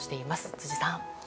辻さん。